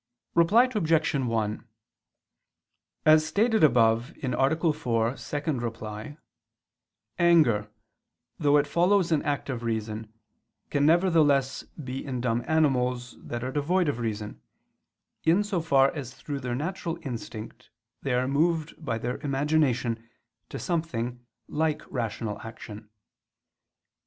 Reply Obj. 1: As stated above (A. 4, ad 2), anger, though it follows an act of reason, can nevertheless be in dumb animals that are devoid of reason, in so far as through their natural instinct they are moved by their imagination to something like rational action.